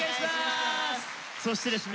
そしてですね